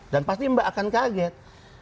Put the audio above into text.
dan pasti mbak akan kaget